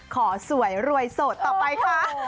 ขอสวยรวยโสดต่อไปค่ะ